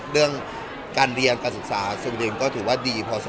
เดินการเรียนการศึกษาซึ่งเองก็ถูกว่าดีพอสมควร